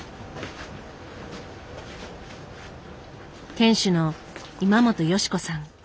店主の今本義子さん。